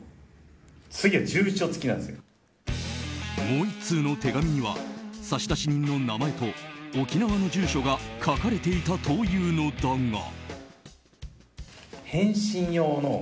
もう１通の手紙には差出人の名前と沖縄の住所が書かれていたというのだが。